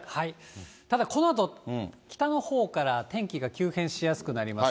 ただこのあと、北のほうから天気が急変しやすくなります。